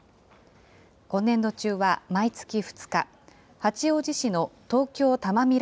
今年度中は毎月２日、八王子市の東京たま未来